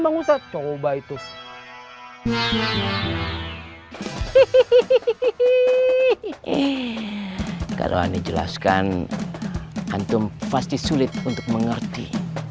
bang ustadz coba itu hehehe hehehe hehehe kalau aneh jelaskan hantum pasti sulit untuk mengerti